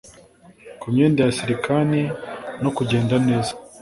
Ku myenda ya silikani no kugenda neza